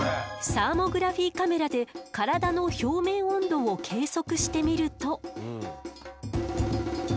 サーモグラフィーカメラで体の表面温度を計測してみると。